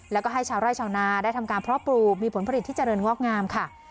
แล้วก็ให้ชาวไร่ชาวนาได้ทำการเพาะปลูกมีผลผลิตที่เจริญงอกงามค่ะ